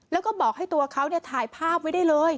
แล้วก็บอกให้ตัวเขาถ่ายภาพไว้ได้เลย